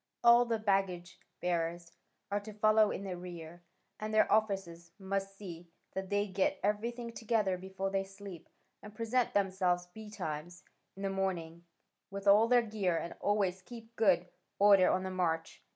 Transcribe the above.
All the baggage bearers are to follow in the rear: and their officers must see that they get everything together before they sleep, and present themselves betimes in the morning, with all their gear, and always keep good order on the march.